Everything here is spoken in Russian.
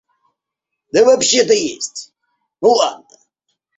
Да вообще-то есть... ну ладно!